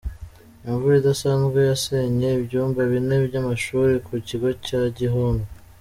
Imvura idasanzwe yasenye ibyumba bine by’amashuri ku kigo cya Gihundwe